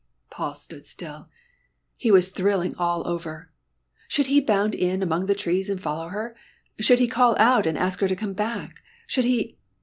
Paul stood still. He was thrilling all over. Should he bound in among the trees and follow her? Should he call out and ask her to come back? Should he